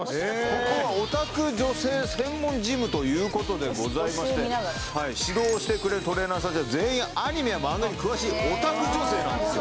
ここはオタク女性専門ジムということでございまして指導してくれるトレーナーさんたちは全員アニメや漫画に詳しいオタク女性なんですよ